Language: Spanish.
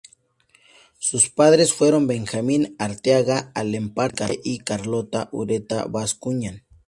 Sus padres fueron Benjamín Arteaga Alemparte y Carlota Ureta Bascuñán.